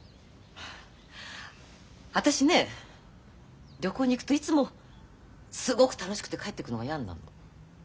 私ね旅行に行くといつもすごく楽しくて帰ってくるのが嫌になるの。